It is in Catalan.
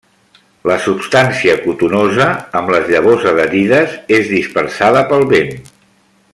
La substància cotonosa, amb les llavors adherides, és dispersada pel vent.